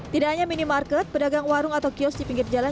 tidak hanya minimarket pedagang warung atau kios di pinggir jalan